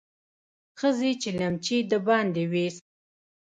ښځې چلمچي د باندې ويست.